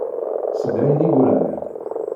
Ssedhayen igerdan.